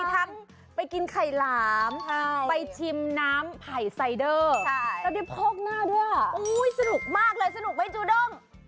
ทั้งไปกินไข่หลามไปชิมน้ำไผ่ไซเดอร์แล้วได้โพกหน้าด้วยสนุกมากเลยสนุกไหมจูด้ง